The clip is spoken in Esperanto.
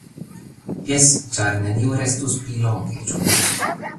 Jes, ĉar neniu restus pli longe, ĉu ne?